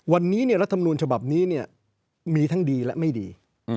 วันนี้รัฐมนูลฉบับนี้มีทั้งดีและไม่ดี